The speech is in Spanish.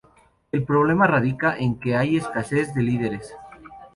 El problema radica en que hay escasez de líderes.